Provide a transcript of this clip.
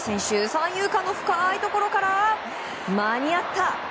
三遊間の深いところから間に合った！